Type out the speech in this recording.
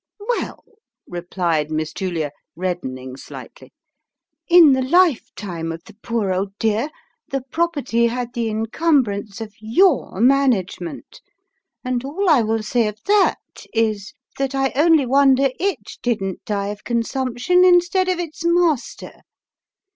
" Well," replied Miss Julia, reddening slightly, " in the lifetime of the poor old dear, the property had the incumbrance of your manage ment ; and all I will say of that, is, that I only wonder it didn't die of consumption instead of its master.